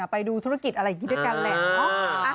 ไปดูธุรกิจอะไรอย่างนี้ด้วยกันแหละ